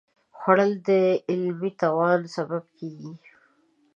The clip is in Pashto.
خوړل د علمي توان سبب کېږي